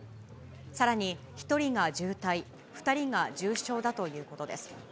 さらに１人が重体、２人が重傷だということです。